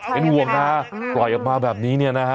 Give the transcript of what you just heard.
เป็นห่วงนะปล่อยออกมาแบบนี้เนี่ยนะฮะ